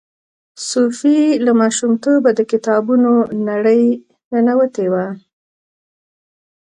صوفي له ماشومتوبه د کتابونو نړۍ ننوتې وه.